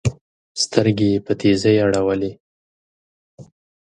سترګي یې په تېزۍ اړولې